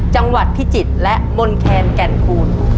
จังหวัดพิจิตรและมนแคนแก่นคูณ